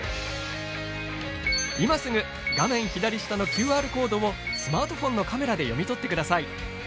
今すぐ、画面左下のＱＲコードをスマートフォンのカメラで読み取ってください。